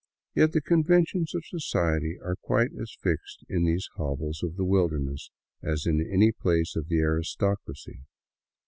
Yet the conventions of society are quite as fixed in these hovels of the wilderness as in any palace of aristocracy.